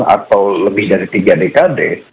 atau lebih dari tiga dekade